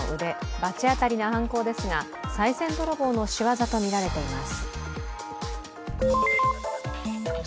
罰当たりな犯行ですがさい銭泥棒の仕業と見られています。